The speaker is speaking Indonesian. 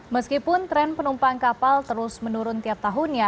meskipun tren penumpang kapal terus menurun tiap tahunnya